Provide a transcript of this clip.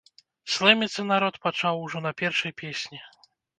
Слэміцца народ пачаў ужо на першай песні.